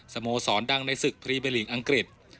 สโมสอนดังในศึกภรีเมลิงอังกฤษ